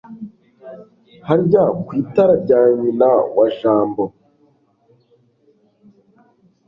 harya ku itara rya nyinawajambo